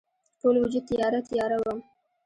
ټول وجود تیاره، تیاره وم